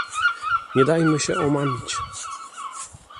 Nie dajmy się omamić